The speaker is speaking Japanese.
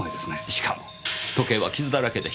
しかも時計は傷だらけでした。